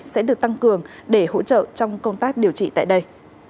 sẽ được tăng cường để hỗ trợ trong công tác điều trị tại đây